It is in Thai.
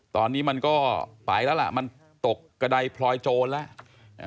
ตอนนี้มันก็ไปแล้วล่ะมันตกกระดายพลอยโจรแล้ว